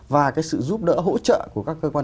và cái sự giúp đỡ hỗ trợ của các cơ quan